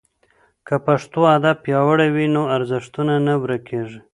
که پښتو ادب پیاوړی وي نو ارزښتونه نه ورکېږي.